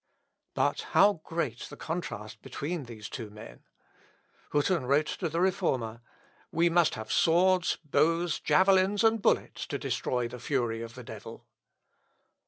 But how great the contrast between these two men! Hütten wrote to the Reformer "We must have swords, bows, javelins, and bullets, to destroy the fury of the devil."